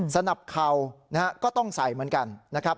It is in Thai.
สนับเข่านะฮะก็ต้องใส่เหมือนกันนะครับ